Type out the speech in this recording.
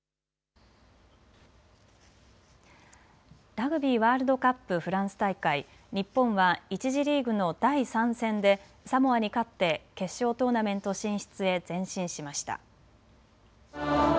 ラグビーワールドカップフランス大会、日本は１次リーグの第３戦でサモアに勝って決勝トーナメント進出へ前進しました。